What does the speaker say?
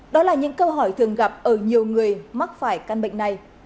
đó là những câu hỏi thường gặp ở nhiều người mắc phải căn bệnh này